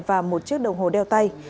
và một chiếc đồng hồ đeo tay